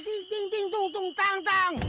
aku juga nggak tau